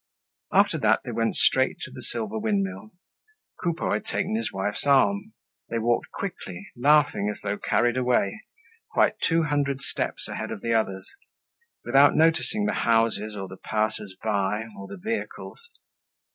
After that they went straight to the Silver Windmill. Coupeau had taken his wife's arm. They walked quickly, laughing as though carried away, quite two hundred steps ahead of the others, without noticing the houses or the passers by, or the vehicles.